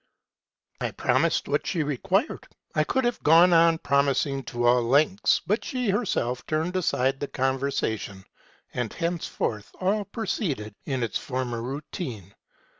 '' I promised what she required ; I could have gone on promising to all lengths : but she herself turned aside the con versation, and thenceforth all proceeded in its former rou tine.